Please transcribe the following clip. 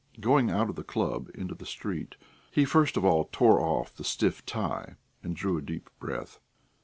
Going out of the club into the street, he first of all tore off the stiff tie and drew a deep breath.